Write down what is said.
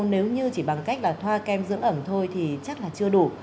nếu như chỉ bằng cách là thoa kem dưỡng ẩm thôi thì chắc là chưa đủ